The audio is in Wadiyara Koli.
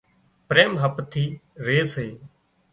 پريم هپ ٿِي ري سي